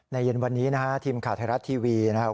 เย็นวันนี้นะฮะทีมข่าวไทยรัฐทีวีนะครับ